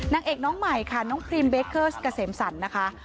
นางเอกน้องใหม่ค่ะน้องพรีมเบคเกอร์สเกษมสรรนะคะ